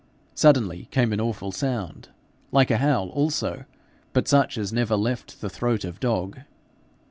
Suddenly came an awful sound like a howl also, but such as never left the throat of dog.